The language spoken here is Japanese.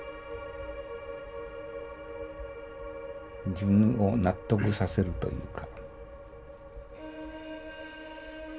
自分を納得させるというか。